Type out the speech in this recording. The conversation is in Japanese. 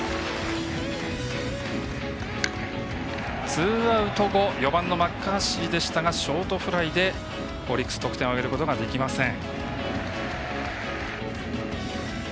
ツーアウト後４番のマッカーシーでしたがショートフライでオリックス得点を挙げることができません。